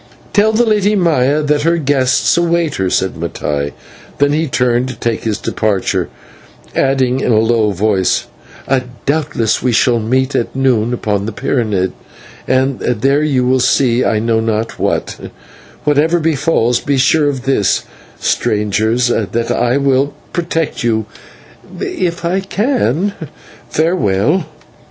"Tell the Lady Maya that her guests await her," said Mattai, then turned to take his departure, adding, in a low voice, "doubtless we shall meet at noon upon the pyramid, and there you will see I know not what; but, whatever befalls, be sure of this, strangers, that I will protect you if I can. Farewell."